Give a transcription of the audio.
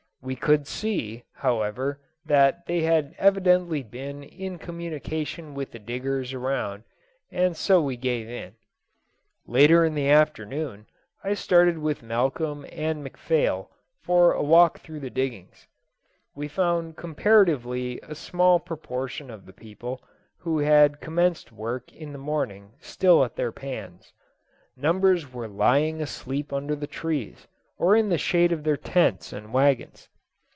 We could see, however, that they had evidently been in communication with the diggers around, and so we gave in. Later in the afternoon I started with Malcolm and McPhail for a walk through the diggings. We found comparatively a small proportion of the people who had commenced work in the morning still at their pans. Numbers were lying asleep under the trees, or in the shade of their tents and wagons.